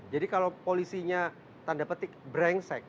jadi kalau polisinya tanda petik brengsek